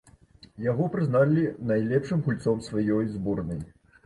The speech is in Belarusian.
Яго прызналі найлепшым гульцом сваёй зборнай.